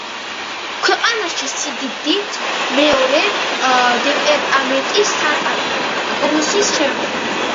ქვეყანაში სიდიდით მეორე დეპარტამენტი, სანტა-კრუსის შემდეგ.